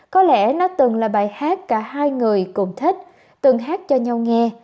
có lẽ nó từng là bài hát cả hai người cùng thích từng hát cho nhau nghe